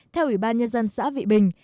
theo ủy ban nhân dân xã vị bình